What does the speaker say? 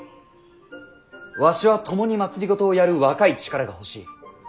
わしは共に政をやる若い力が欲しい。